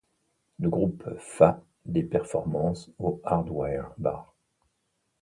Le groupe fat des performances au Hardware Bar.